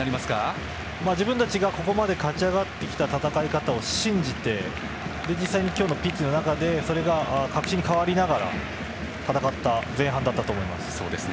自分たちがここまで勝ち上がってきた戦いを信じて実際に今日のピッチの中でそれが確信に変わりながら戦った前半だったと思います。